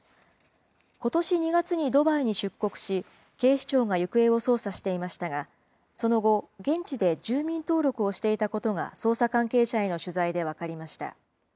ことし２月にドバイに出国し、警視庁が行方を捜査していましたが、その後、現地で住民登録をしていたことが捜査関係者への取材で分かりました。